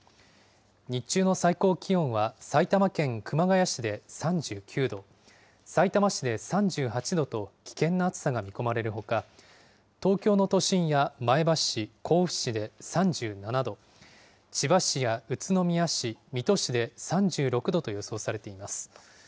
日中の最高気温は埼玉県熊谷市で３９度、さいたま市で３８度と危険な暑さが見込まれるほか、東京の都心や前橋市、甲府市で３７度、千葉市や宇都宮市、水戸市で３６度と予想されています。